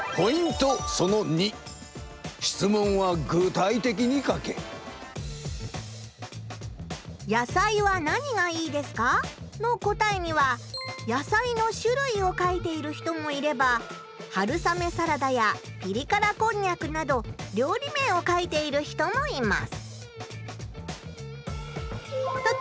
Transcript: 目的に合わせて「野菜は何がいいですか？」の答えには野菜の種類を書いている人もいれば春雨サラダやピリ辛こんにゃくなど料理名を書いている人もいます。